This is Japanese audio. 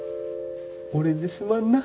俺ですまんな